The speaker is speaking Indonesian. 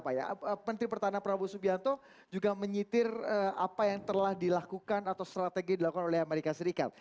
pak ya menteri pertahanan prabowo subianto juga menyitir apa yang telah dilakukan atau strategi dilakukan oleh amerika serikat